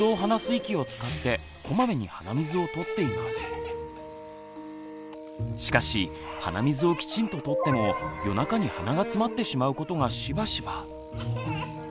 ふだんはしかし鼻水をきちんと取っても夜中に鼻がつまってしまうことがしばしば。